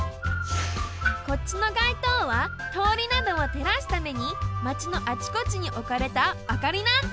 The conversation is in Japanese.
こっちの街灯はとおりなどをてらすためにマチのあちこちにおかれたあかりなんだ。